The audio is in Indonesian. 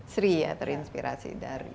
sri ya terinspirasi dari